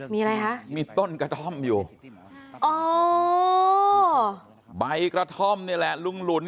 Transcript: มีอะไรคะมีต้นกระท่อมอยู่อ๋อใบกระท่อมนี่แหละลุงหลุน